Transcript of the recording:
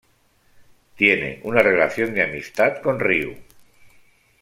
Tiene una relación de amistad con Ryu.